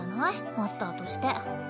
マスターとして。